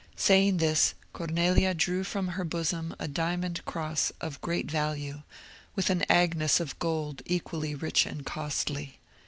Saying this, Cornelia drew from her bosom a diamond cross, of great value, with an Agnus of gold equally rich and costly.